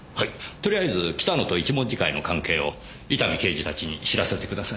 とりあえず北野と一文字会の関係を伊丹刑事たちに知らせてください。